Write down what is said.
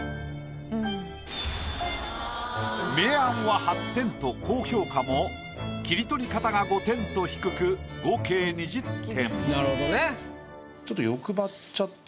明暗は８点と高評価も切り取り方が５点と低く合計２０点。